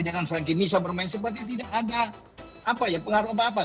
dengan franky misha bermain seperti tidak ada apa ya pengaruh apa apa